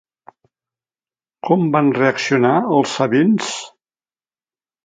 Com van reaccionar els sabins?